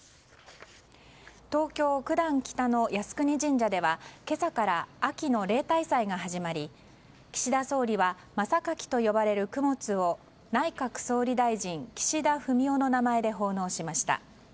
東京・九段北の靖国神社では今朝から秋の例大祭が始まり岸田総理は真榊と呼ばれる供物を内閣総理大臣・岸田文雄の名前で奉納しました。